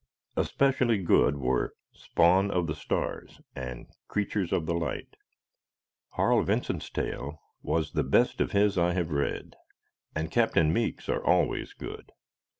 Especially good were "Spawn of the Stars," and "Creatures of the Light." Harl Vincent's tale was the best of his I have read; and Captain Meek's are always good.